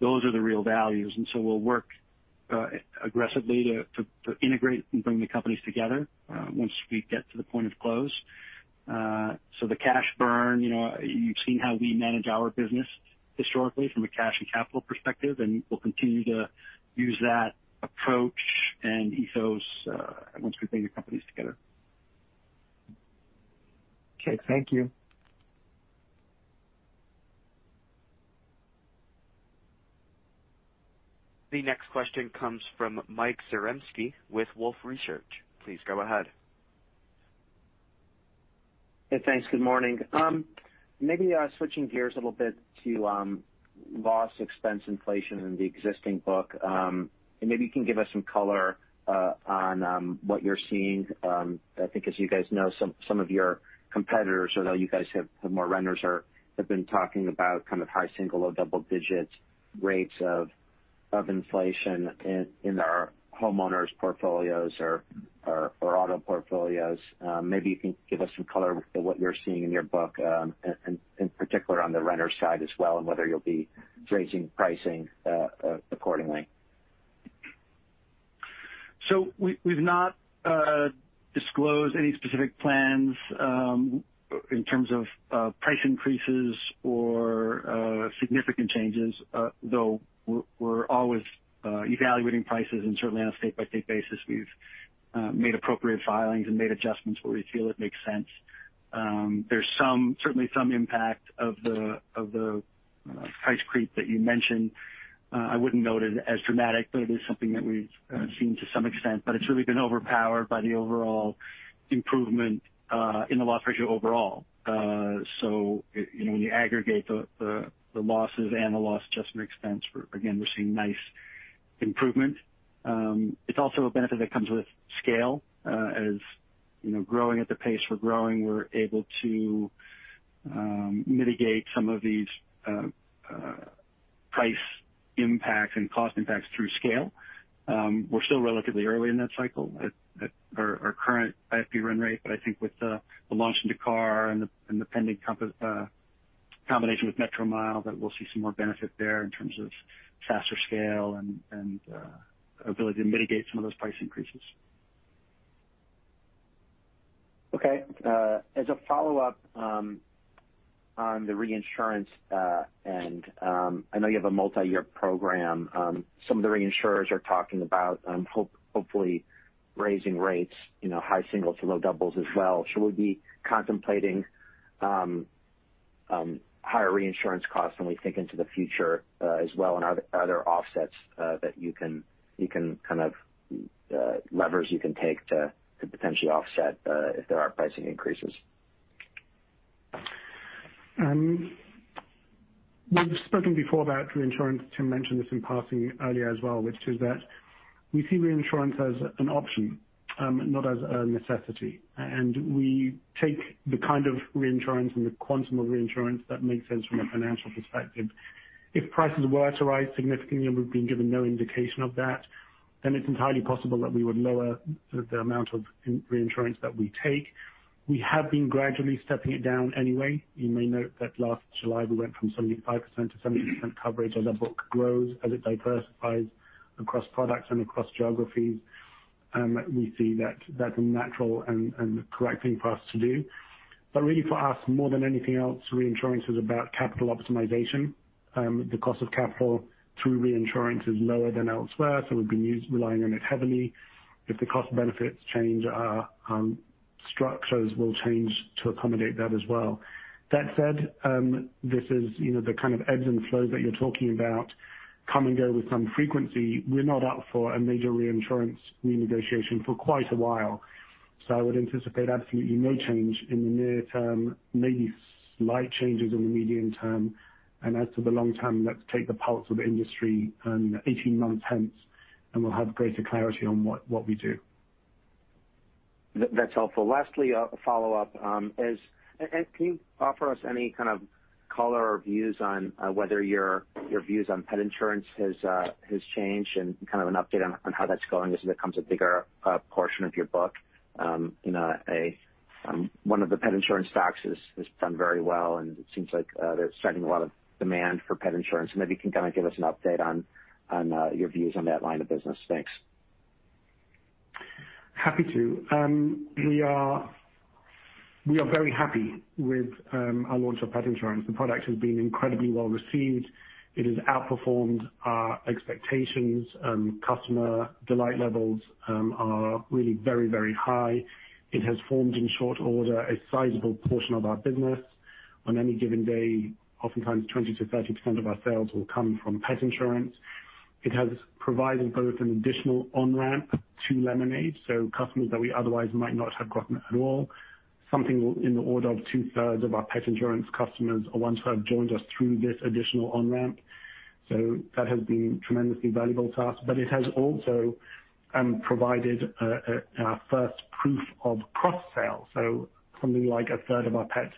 Those are the real values, and so we'll work aggressively to integrate and bring the companies together once we get to the point of close. The cash burn, you know, you've seen how we manage our business historically from a cash and capital perspective, and we'll continue to use that approach and ethos once we bring the companies together. Okay. Thank you. The next question comes from Mike Zaremski with Wolfe Research. Please go ahead. Yeah, thanks. Good morning. Maybe switching gears a little bit to loss expense inflation in the existing book, and maybe you can give us some color on what you're seeing. I think as you guys know, some of your competitors, you know, you guys have more renters, have been talking about kind of high single or double digits rates of inflation in their homeowners portfolios or auto portfolios. Maybe you can give us some color on what you're seeing in your book, in particular on the renters side as well, and whether you'll be raising pricing accordingly. We've not disclosed any specific plans in terms of price increases or significant changes, though we're always evaluating prices and certainly on a state-by-state basis. We've made appropriate filings and made adjustments where we feel it makes sense. There's certainly some impact of the price creep that you mentioned. I wouldn't note it as dramatic, but it is something that we've seen to some extent, but it's really been overpowered by the overall improvement in the loss ratio overall. You know, when you aggregate the losses and the loss adjustment expense, again, we're seeing nice improvement. It's also a benefit that comes with scale. As you know, growing at the pace we're growing, we're able to mitigate some of these price impacts and cost impacts through scale. We're still relatively early in that cycle at our current IFP run rate, but I think with the launch into Car and the pending combination with Metromile, that we'll see some more benefit there in terms of faster scale and ability to mitigate some of those price increases. Okay. As a follow-up on the reinsurance, and I know you have a multi-year program, some of the reinsurers are talking about hopefully raising rates, you know, high single digits to low double digits as well. Should we be contemplating higher reinsurance costs when we think into the future, as well and other offsets that you can kind of levers you can take to potentially offset if there are pricing increases? We've spoken before about reinsurance. Tim mentioned this in passing earlier as well, which is that we see reinsurance as an option, not as a necessity. We take the kind of reinsurance and the quantum of reinsurance that makes sense from a financial perspective. If prices were to rise significantly, and we've been given no indication of that, then it's entirely possible that we would lower the amount of reinsurance that we take. We have been gradually stepping it down anyway. You may note that last July we went from 75% to 70% coverage. As our book grows, as it diversifies across products and across geographies, we see that that's a natural and correct thing for us to do. But really for us, more than anything else, reinsurance is about capital optimization. The cost of capital through reinsurance is lower than elsewhere, so we've been relying on it heavily. If the cost benefits change, our structures will change to accommodate that as well. That said, this is, you know, the kind of ebbs and flows that you're talking about come and go with some frequency. We're not up for a major reinsurance renegotiation for quite a while, so I would anticipate absolutely no change in the near term, maybe slight changes in the medium term. As to the long term, let's take the pulse of industry in 18 months hence, and we'll have greater clarity on what we do. That's helpful. Lastly, a follow-up, can you offer us any kind of color or views on whether your views on pet insurance has changed, and kind of an update on how that's going as it becomes a bigger portion of your book? You know, one of the pet insurance stocks has done very well, and it seems like there's a lot of demand for pet insurance. Maybe you can kind of give us an update on your views on that line of business. Thanks. Happy to. We are very happy with our launch of pet insurance. The product has been incredibly well received. It has outperformed our expectations. Customer delight levels are really very, very high. It has formed, in short order, a sizable portion of our business. On any given day, oftentimes 20%-30% of our sales will come from pet insurance. It has provided both an additional on-ramp to Lemonade, so customers that we otherwise might not have gotten at all. Something in the order of two-thirds of our pet insurance customers are ones who have joined us through this additional on-ramp. That has been tremendously valuable to us. It has also provided our first proof of cross-sale. Something like a third of our pet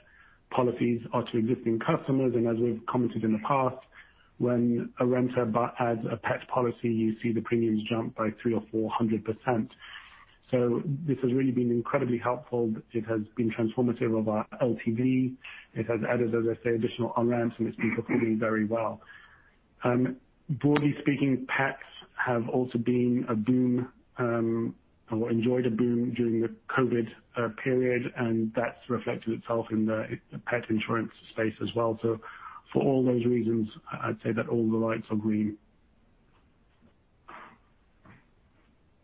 policies are to existing customers. As we've commented in the past, when a renter adds a pet policy, you see the premiums jump by 300%-400%. This has really been incredibly helpful. It has been transformative of our LTV. It has added, as I say, additional on-ramps, and it's been performing very well. Broadly speaking, pets have also been a boom or enjoyed a boom during the COVID period, and that's reflected itself in the pet insurance space as well. For all those reasons, I'd say that all the lights are green.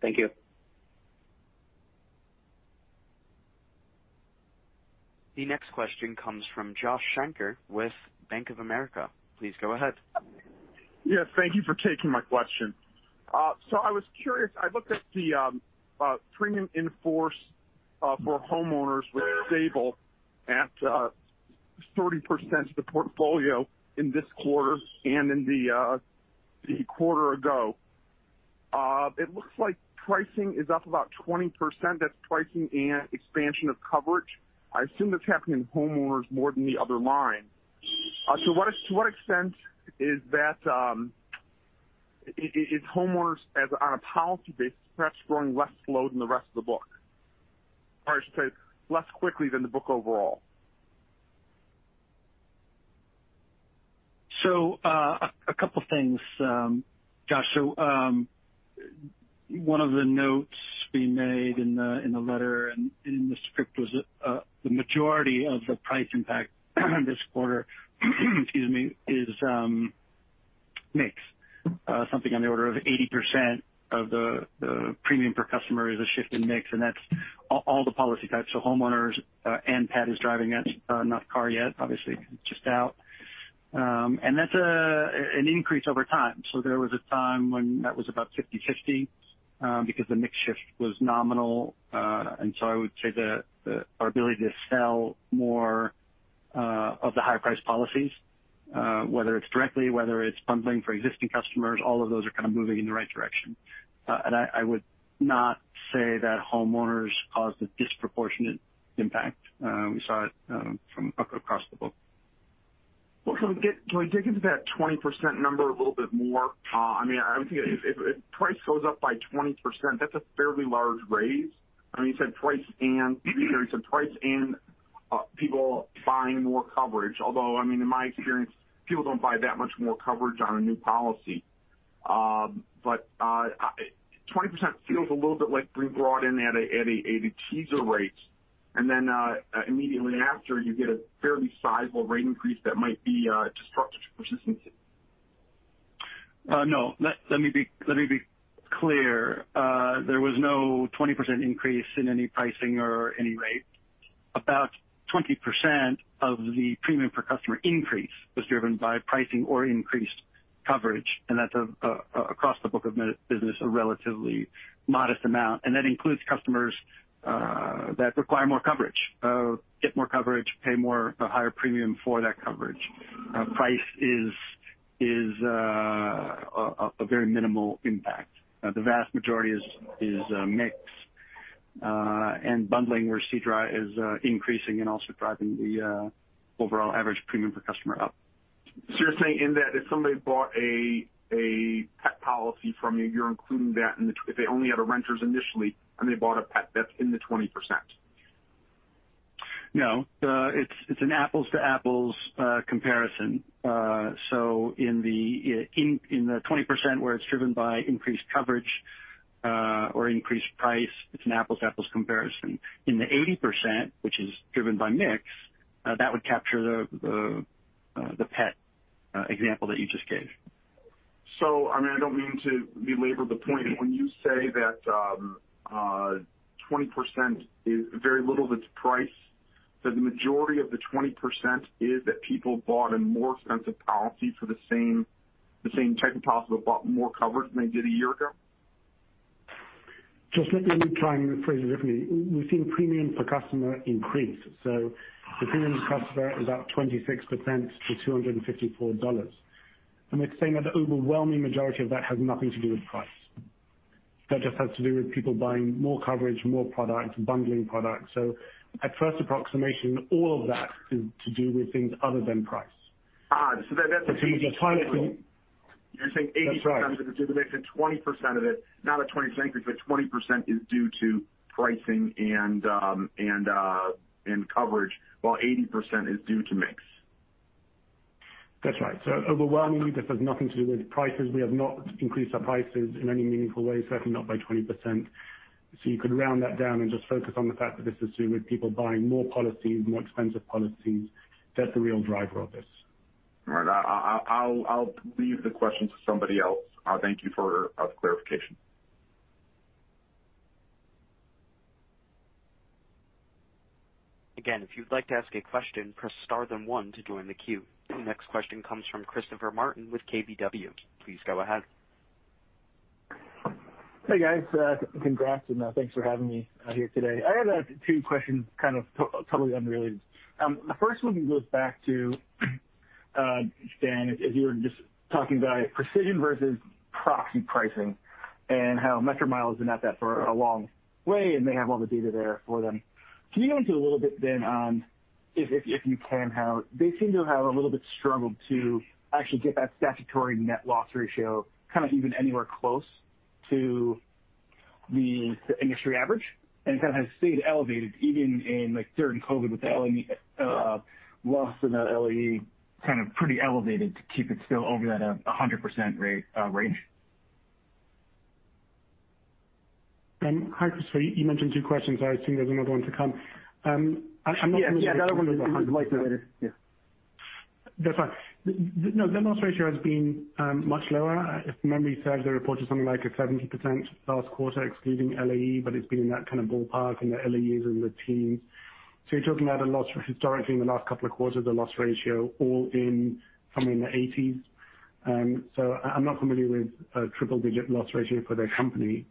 Thank you. The next question comes from Josh Shanker with Bank of America. Please go ahead. Yeah. Thank you for taking my question. I was curious. I looked at the premium in force for homeowners, which is stable at 30% of the portfolio in this quarter and in the quarter ago. It looks like pricing is up about 20%. That's pricing and expansion of coverage. I assume that's happening in homeowners more than the other lines. To what extent is that? Is homeowners on a policy basis perhaps growing less slow than the rest of the book? Or I should say less quickly than the book overall. A couple things, Josh. One of the notes we made in the letter and in the script was that the majority of the price impact this quarter is mix. Something on the order of 80% of the premium per customer is a shift in mix, and that's all the policy types. Homeowners and pet is driving that. Not car yet, obviously. It's just out. And that's an increase over time. There was a time when that was about 50/50 because the mix shift was nominal. I would say that our ability to sell more of the higher priced policies, whether it's directly, whether it's bundling for existing customers, all of those are kind of moving in the right direction. I would not say that homeowners caused a disproportionate impact. We saw it from across the book. Can we dig into that 20% number a little bit more? I mean, I would think if price goes up by 20%, that's a fairly large raise. I mean, you said price and people buying more coverage. Although, I mean, in my experience, people don't buy that much more coverage on a new policy. 20% feels a little bit like being brought in at a teaser rate. Immediately after, you get a fairly sizable rate increase that might be destructive to persistence. No. Let me be clear. There was no 20% increase in any pricing or any rate. About 20% of the premium per customer increase was driven by pricing or increased coverage, and that's across the book of business, a relatively modest amount. That includes customers that require more coverage, get more coverage, pay more, a higher premium for that coverage. Price is a very minimal impact. The vast majority is mix and bundling where ADR is increasing and also driving the overall average premium per customer up. You're saying in that if somebody bought a pet policy from you're including that in the, if they only had a renters initially, and they bought a pet, that's in the 20%? No, it's an apples to apples comparison. In the 20% where it's driven by increased coverage or increased price, it's an apples to apples comparison. In the 80%, which is driven by mix, that would capture the pet example that you just gave. I mean, I don't mean to belabor the point. When you say that, 20% is very little of its price, so the majority of the 20% is that people bought a more expensive policy for the same type of policy, but bought more coverage than they did a year ago? Just let me try and phrase it differently. We've seen premium per customer increase. The premium per customer is up 26% to $254. And we're saying that the overwhelming majority of that has nothing to do with price. That just has to do with people buying more coverage, more products, bundling products. At first approximation, all of that is to do with things other than price. Ah, so that- The price- You're saying 80% of it is due to mix and 20% of it, not a 20%, but 20% is due to pricing and coverage, while 80% is due to mix. That's right. Overwhelmingly, this has nothing to do with prices. We have not increased our prices in any meaningful way, certainly not by 20%. You could round that down and just focus on the fact that this is to do with people buying more policies, more expensive policies. That's the real driver of this. All right. I'll leave the question to somebody else. Thank you for the clarification. Again, if you'd like to ask a question, press star then one to join the queue. The next question comes from Christopher Marinac with KBW. Please go ahead. Hey, guys. Congrats and thanks for having me out here today. I have two questions, kind of totally unrelated. The first one goes back to Dan, as you were just talking about precision versus proxy pricing and how Metromile has been at that for a long way, and they have all the data there for them. Can you go into a little bit then on, if you can, how they seem to have a little bit struggled to actually get that statutory net loss ratio kind of even anywhere close to the industry average? It kind of has stayed elevated even in, like, during COVID with the LAE loss in that LAE kind of pretty elevated to keep it still over that 100% range. Hi, Chris. You mentioned two questions. I assume there's another one to come. I'm not- Yeah. The other one is for later. Yeah. That's fine. No, the loss ratio has been much lower. If memory serves, they reported something like 70% last quarter, excluding LAE, but it's been in that kind of ballpark, and the LAE is in the teens. So you're talking about a loss historically in the last couple of quarters, the loss ratio all in somewhere in the 80s. So I'm not familiar with a triple-digit loss ratio for their company.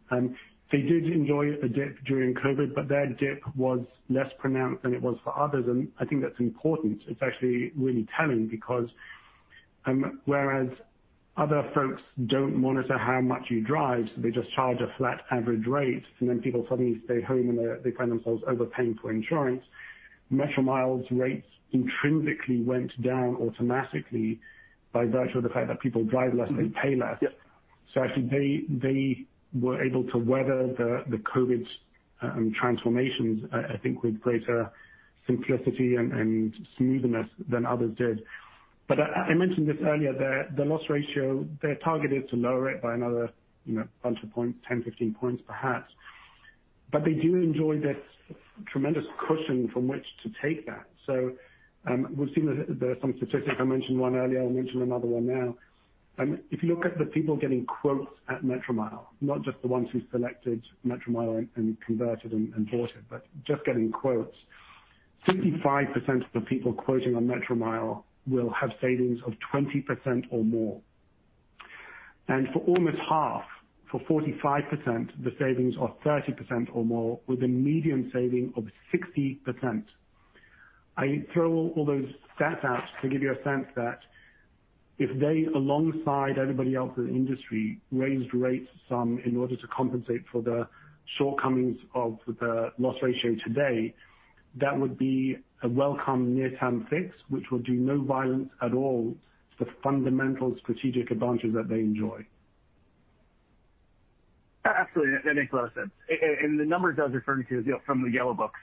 They did enjoy a dip during COVID, but their dip was less pronounced than it was for others, and I think that's important. It's actually really telling because, whereas other folks don't monitor how much you drive, they just charge a flat average rate, and then people suddenly stay home and they find themselves overpaying for insurance. Metromile rates intrinsically went down automatically by virtue of the fact that people drive less, they pay less. Yeah. Actually, they were able to weather the COVID transformations I think with greater simplicity and smoothness than others did. I mentioned this earlier, the loss ratio, they're targeted to lower it by another, you know, bunch of points, 10, 15 points perhaps. They do enjoy this tremendous cushion from which to take that. We've seen there's some statistics. I mentioned one earlier, I'll mention another one now. If you look at the people getting quotes at Metromile, not just the ones who selected Metromile and converted and bought it, but just getting quotes. 65% of the people quoting on Metromile will have savings of 20% or more. And for almost half, for 45%, the savings are 30% or more, with a median saving of 60%. I throw all those stats out to give you a sense that if they, alongside everybody else in the industry, raised rates some in order to compensate for the shortcomings of the loss ratio today, that would be a welcome near-term fix which will do no violence at all to the fundamental strategic advantages that they enjoy. Absolutely. That makes a lot of sense. And the numbers I was referring to is, you know, from the Yellow Books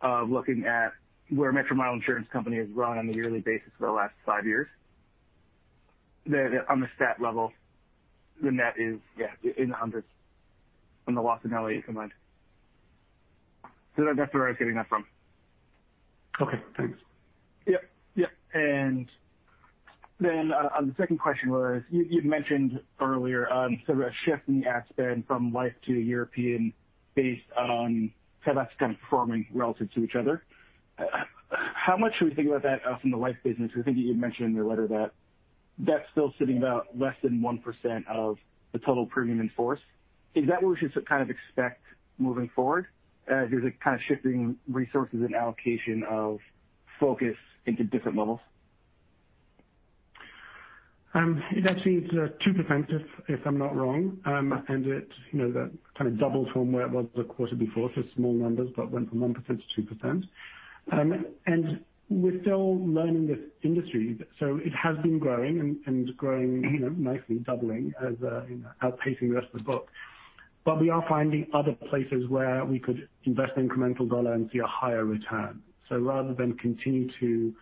of looking at where Metromile Insurance Company has run on a yearly basis for the last five years. On the stat level, the net is, yeah, in the hundreds on the loss and LAE combined. That's where I was getting that from. Okay, thanks. Yep. On the second question, you mentioned earlier sort of a shift in the ad spend from life to European based on how that's kind of performing relative to each other. How much should we think about that from the life business? I think you mentioned in your letter that that's still sitting about less than 1% of the total in-force premium. Is that what we should kind of expect moving forward as you're kind of shifting resources and allocation of focus into different levels? It actually is 2%, if I'm not wrong. It you know that kind of doubles from where it was the quarter before. Small numbers, but went from 1% to 2%. We're still learning this industry, so it has been growing and growing, you know, nicely, doubling as, you know, outpacing the rest of the book. We are finding other places where we could invest incremental dollar and see a higher return. Rather than continue to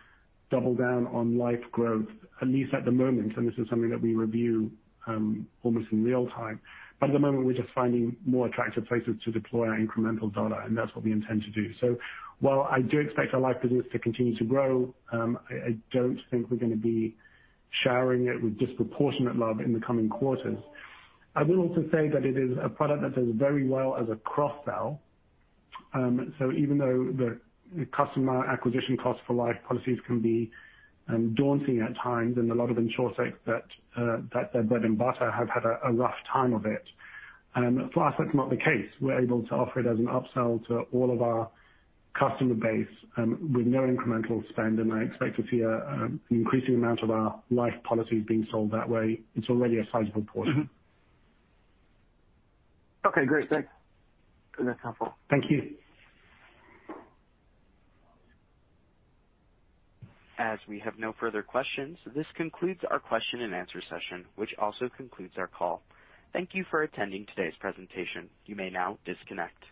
double down on life growth, at least at the moment, and this is something that we review almost in real time. At the moment, we're just finding more attractive places to deploy our incremental dollar, and that's what we intend to do. While I do expect our life business to continue to grow, I don't think we're gonna be showering it with disproportionate love in the coming quarters. I will also say that it is a product that does very well as a cross-sell. Even though the customer acquisition cost for life policies can be daunting at times and a lot of insurers say that their bread and butter have had a rough time of it. For us, that's not the case. We're able to offer it as an upsell to all of our customer base with no incremental spend. I expect to see an increasing amount of our life policies being sold that way. It's already a sizable portion. Okay, great. Thanks. That's helpful. Thank you. As we have no further questions, this concludes our question and answer session, which also concludes our call. Thank you for attending today's presentation. You may now disconnect.